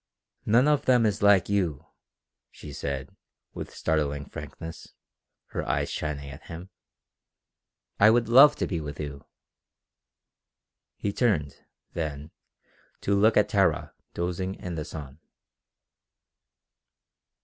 "None of them is like you," she said with startling frankness, her eyes shining at him. "I would love to be with you!" He turned, then, to look at Tara dozing in the sun.